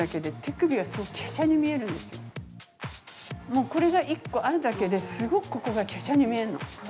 もう、これが１個あるだけですごくここがきゃしゃに見えるの。